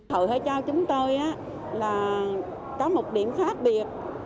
hội hải châu chúng tôi có một điểm khác biệt